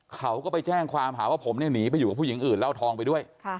เขาก็ไปแจ้งความหาว่าผมเนี่ยหนีไปอยู่กับผู้หญิงอื่นเหล้าทองไปด้วย